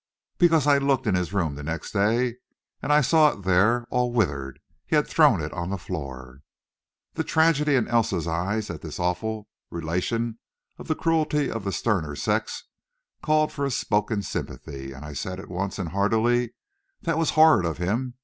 "Because I looked in his room the next day, and I saw it there all withered. He had thrown it on the floor!" The tragedy in Elsa's eyes at this awful relation of the cruelty of the sterner sex called for a spoken sympathy, and I said at once, and heartily: "That was horrid of him!